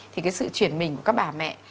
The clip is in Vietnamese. thì cái sự truyền mình của các bà mẹ